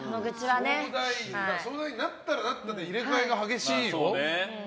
相談員になったらなったで入れ替えが激しいよ？